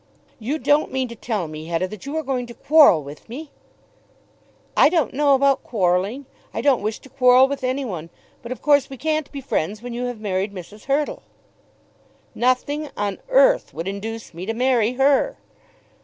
"You don't mean to tell me, Hetta, that you are going to quarrel with me!" "I don't know about quarrelling. I don't wish to quarrel with any one. But of course we can't be friends when you have married Mrs. Hurtle." "Nothing on earth would induce me to marry her."